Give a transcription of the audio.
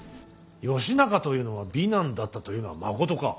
義仲というのは美男だったというのはまことか。